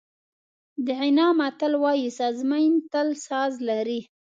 د غانا متل وایي سازمېن تل ساز لري.